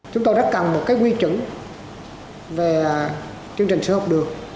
chúng tôi rất cần một quy chuẩn về chương trình sữa học đường